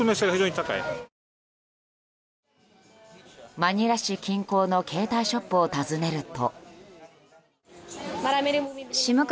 マニラ市近郊の携帯ショップを訪ねると。